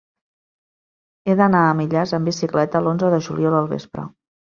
He d'anar a Millars amb bicicleta l'onze de juliol al vespre.